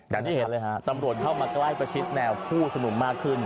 อย่างที่เห็นเลยฮะตำรวจเข้ามาใกล้ประชิดแนวผู้ชุมนุมมากขึ้น